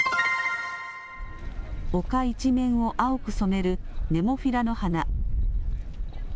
丘一面を青く染めるネモフィラの花。